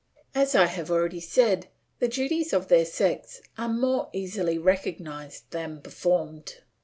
As I have already said, the duties of their sex are more easily recognised than performed.